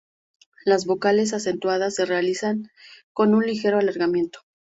Las vocales acentuadas se realizan con un ligero alargamiento.